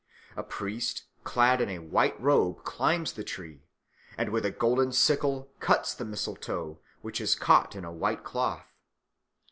A priest clad in a white robe climbs the tree and with a golden sickle cuts the mistletoe, which is caught in a white cloth.